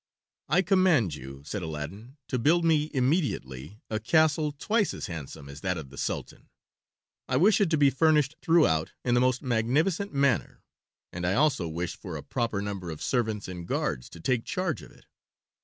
"I command you," said Aladdin, "to build me immediately a castle twice as handsome as that of the Sultan. I wish it to be furnished throughout in the most magnificent manner, and I also wish for a proper number of servants and guards to take charge of it.